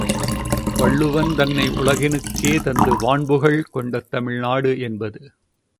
வள்ளுவன் தன்னை உலகினுக்கே தந்து வான்புகழ் கொண்ட தமிழ் நாடு என்பது.